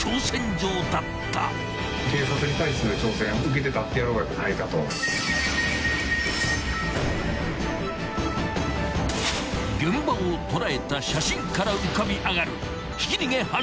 ［現場を捉えた写真から浮かび上がる］